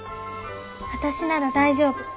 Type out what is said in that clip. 私なら大丈夫。